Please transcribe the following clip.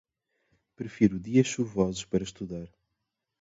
Prefiro dias chuvosos para estudar.